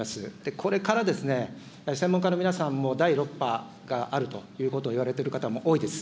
これからやはり専門家の皆さんも第６波があるということを言われている方も多いです。